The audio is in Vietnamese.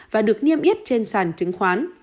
và được niêm yết trên sàn chứng khoán